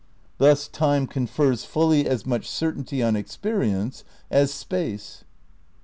Thus time confers fully as much certainty on experience as space.